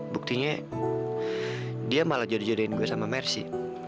buktinya dia malah jodoh jodohin gue sama mercy